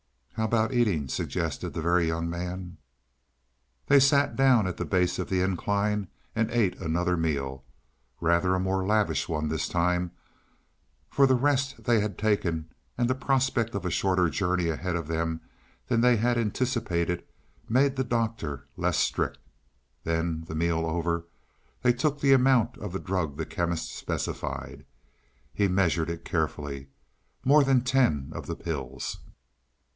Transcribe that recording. "How about eating?" suggested the Very Young Man. They sat down at the base of the incline and ate another meal rather a more lavish one this time, for the rest they had taken, and the prospect of a shorter journey ahead of them than they had anticipated made the Doctor less strict. Then, the meal over, they took the amount of the drug the Chemist specified. He measured it carefully more than ten of the pills.